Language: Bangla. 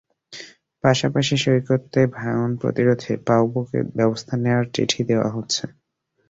পাশাপাশি সৈকতে ভাঙন প্রতিরোধে পাউবোকে ব্যবস্থা নেওয়ার জন্য চিঠি দেওয়া হচ্ছে।